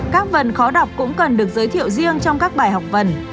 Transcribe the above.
các phần khó đọc cũng cần được giới thiệu riêng trong các bài học vần